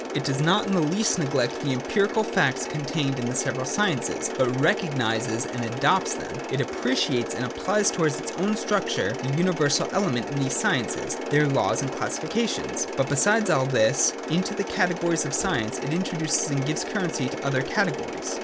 It does not in the least neglect the empirical facts contained in the several sciences, but recognises and adopts them : it appreciates and applies towards its own structure the universal element in these sciences, their laws and classifications : but besides all this, into the categories of science it introduces, and gives currency to, other categories.